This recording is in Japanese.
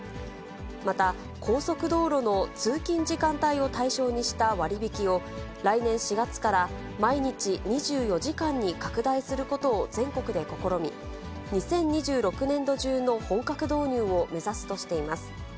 また高速道路の通勤時間帯を対象にした割引を、来年４月から毎日２４時間に拡大することを全国で試み、２０２６年度中の本格導入を目指すとしています。